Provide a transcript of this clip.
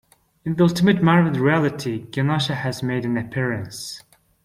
In the Ultimate Marvel reality, Genosha has made an appearance.